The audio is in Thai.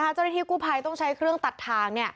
เจ้าหน้าที่กู้ภัยต้องใช้เครื่องตัดทาง